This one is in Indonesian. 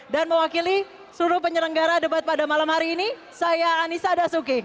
dan mewakili seluruh penyelenggara debat pada malam hari ini saya anissa dasuki